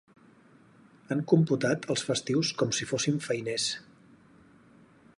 Han computat els festius com si fossin feiners.